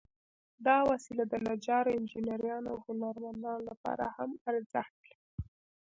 دا وسيله د نجارو، انجینرانو، او هنرمندانو لپاره هم ارزښت لري.